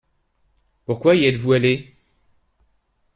Pourquoi y êtes-vous allé ?